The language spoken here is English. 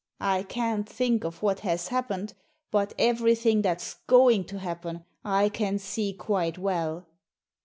I can't think of what has happened, but everything that's going to happen I can see quite well."